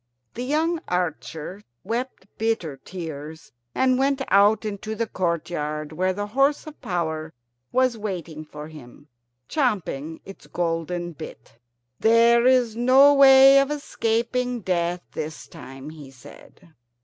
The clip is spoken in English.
The young archer wept bitter tears, and went out into the courtyard, where the horse of power was waiting for him, champing its golden bit. "There is no way of escaping death this time," he said.